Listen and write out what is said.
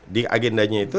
di agendanya itu